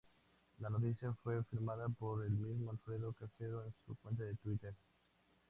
La noticia fue confirmada por el mismo Alfredo Casero en su cuenta de Twitter.